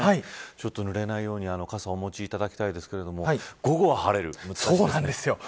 ちょっとぬれないように傘をお持ちいただきたいですがそうなんですよ。